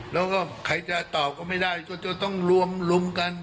แล้วก็ใครจะตอบก็ไม่ได้ก็จะต้องรวมลุมกัน